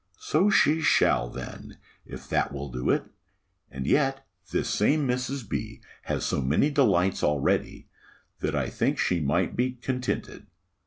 _' So she shall, then; if that will do it! And yet this same Mrs. B. has so many delights already, that I should think she might be contented.